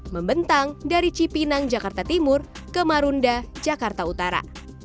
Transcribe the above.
membentang dari cipinang jakarta timur ke marunda jakarta utara